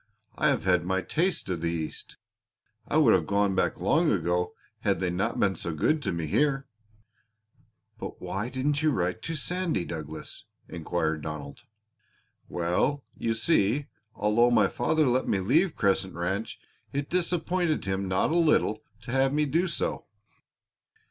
I have had my taste of the East! I would have gone back long ago had they not been so good to me here." "But why didn't you write to Sandy, Douglas?" inquired Donald. "Well, you see, although my father let me leave Crescent Ranch it disappointed him not a little to have me do so.